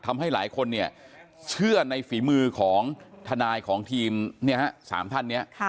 ทำให้หลายคนเนี่ยเชื่อในฝีมือของทนายของทีม๓ท่านเนี่ย